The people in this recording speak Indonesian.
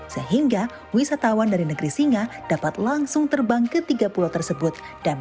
sehingga wisatawan dari negeri singa dapat langsung terbang ke tiga pulau tersebut